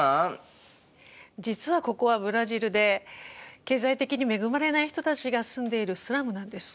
実はここはブラジルで経済的に恵まれない人たちが住んでいるスラムなんです。